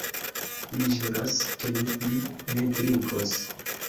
Mi ĵuras, ke mi pli ne drinkos.